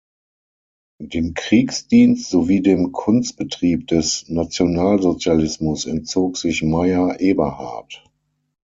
Dem Kriegsdienst sowie dem Kunstbetrieb des Nationalsozialismus entzog sich Meyer-Eberhardt.